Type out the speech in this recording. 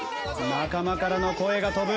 仲間からの声が飛ぶ。